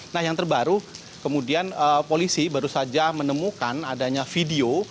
nah yang terbaru kemudian polisi baru saja menemukan adanya video